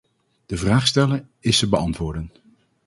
De vraag stellen is ze beantwoorden.